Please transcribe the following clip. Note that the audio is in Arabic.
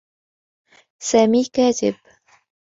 سامي كاتب.